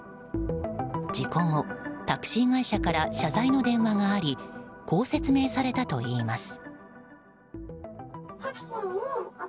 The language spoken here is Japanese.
事故後、タクシー会社から謝罪の電話がありこう説明されたといいます。